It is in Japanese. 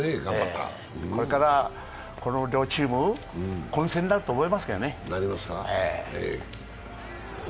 これからこの両チーム、混戦になると思いますけどね。